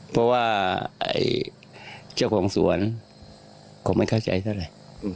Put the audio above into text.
เพราะว่าไอ้เจ้าของสวรรค์คงไม่เข้าใจเท่าไร